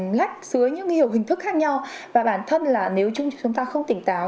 họ lách dưới những hiểu hình thức khác nhau và bản thân là nếu chúng ta không tỉnh táo